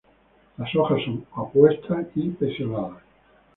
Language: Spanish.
Las hojas son opuestas y pecioladas.